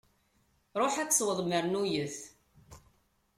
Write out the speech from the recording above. Ṛuḥ ad tesweḍ mernuyet!